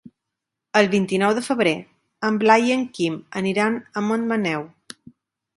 El vint-i-nou de febrer en Blai i en Quim aniran a Montmaneu.